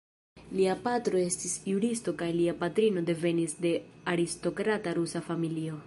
Lia patro estis juristo kaj lia patrino devenis de aristokrata rusa familio.